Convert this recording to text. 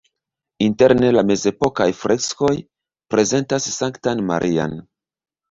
Interne la mezepokaj freskoj prezentas Sanktan Marian.